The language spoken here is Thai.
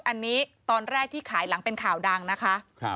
อันนี้ตอนแรกที่ขายหลังเป็นข่าวดังนะคะ